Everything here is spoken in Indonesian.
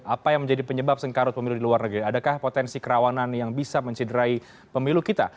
apa yang menjadi penyebab sengkarut pemilu di luar negeri adakah potensi kerawanan yang bisa menciderai pemilu kita